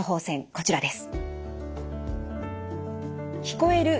こちらです。